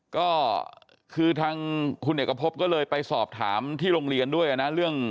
ก็คือทางคุณเอกพบก็เลยไปสอบถามที่โรงเรียนด้วยนะเรื่อง